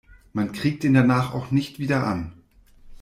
Man kriegt ihn danach auch nicht wieder an.